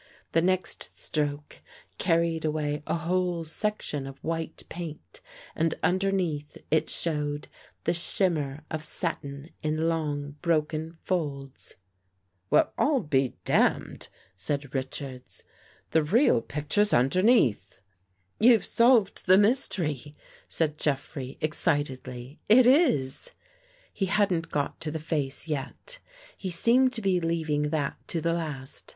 The next stroke carred away a whole section of white paint and underneath it showed the shimmer of satin in long broken folds. ''Well, I'm damned!" said Richards. "The real picture's underneath." 90 THE FACE UNDER THE PAINT " You've solved the mystery," said Jeffrey ex citedly. " It is." He hadn't got to the face yet. He seemed to be leaving that to the last.